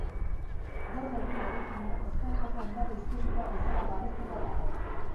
Gaur egun, eraikina Espainiako Ondare Historikoa bezala babestuta dago.